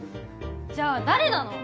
じゃあ誰なの？